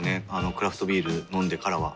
クラフトビール飲んでからは。